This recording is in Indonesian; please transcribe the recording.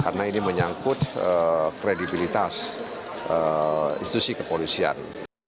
karena ini menyangkut kredibilitas institusi kepolisian